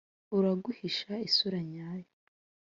uraguhisha isura nyayo,